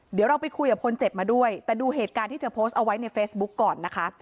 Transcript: เดี๋ยวเราไปคุยกับคนเจ็บมาด้วยแต่ดูเหตุการณ์ที่เธอโพสต์เอาไว้ในเฟซบุ๊กก่อนนะคะ